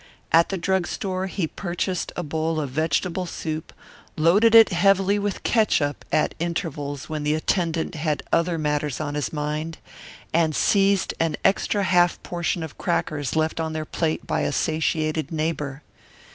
At the drug store he purchased a bowl of vegetable soup, loaded it heavily with catsup at intervals when the attendant had other matters on his mind, and seized an extra half portion of crackers left on their plate by a satiated neighbour.